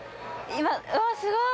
今うわぁすごい！